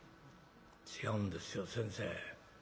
「違うんですよ先生。